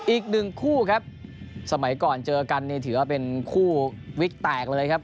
อีกหนึ่งคู่ครับสมัยก่อนเจอกันนี่ถือว่าเป็นคู่วิกแตกเลยครับ